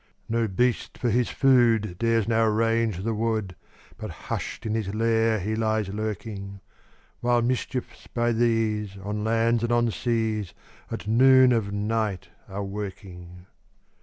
No beast, for his food, Dares now range the wood, But hush'd in his lair he lies lurking; While mischiefs, by these, On land and on seas, At noon of night are a working.